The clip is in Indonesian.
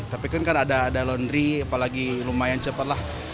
tapi kan kan ada laundry apalagi lumayan cepat lah